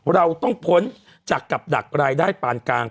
เราต้องพ้นจากกับดักรายได้ปานกลาง